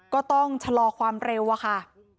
ก็ต้องชะลอความเร็วอะค่ะ